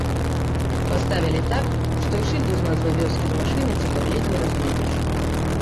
Паставілі так, што й шыльду з назвай вёскі з машыны цяпер ледзьве разгледзіш.